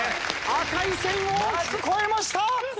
赤い線を大きく超えました！